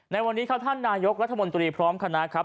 ในวันนี้ครับท่านนายกรัฐมนตรีพร้อมคณะครับ